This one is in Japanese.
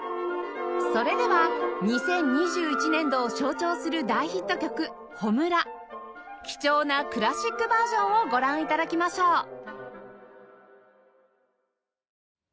それでは２０２１年度を象徴する大ヒット曲『炎』貴重なクラシックバージョンをご覧頂きましょう